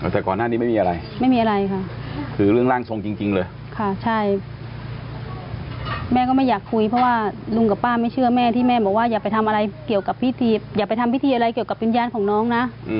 แต่ก่อนหน้านี้ไม่มีอะไรคือเรื่องร่างทรงจริงเลยค่ะใช่แม่ก็ไม่อยากคุยเพราะว่าลุงกับป้าไม่เชื่อแม่ที่แม่บอกว่าอยากไปทำพิธีอะไรเกี่ยวกับปริญญาณของน้องนะ